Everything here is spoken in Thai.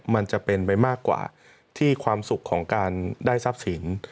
มันจะเป็นไปมากกว่าที่ความสุขของการได้ทรัพย์สิน